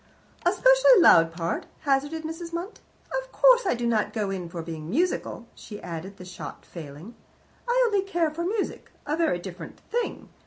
"A specially loud part?" hazarded Mrs. Munt. "Of course I do not go in for being musical," she added, the shot failing. "I only care for music a very different thing.